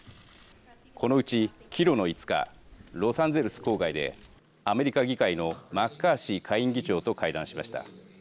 このうち帰路の５日ロサンゼルス郊外でアメリカ議会のマッカーシー下院議長と会談しました。